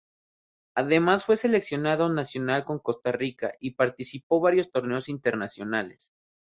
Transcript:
Además fue seleccionado nacional con Costa Rica y participó varios torneos internacionales